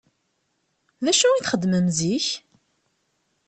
D acu i txeddmem zik?